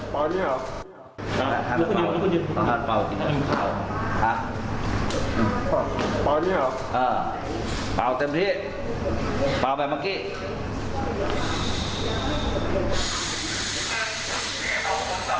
เป่าเต็มที่เป่าแบบเมาค่ะ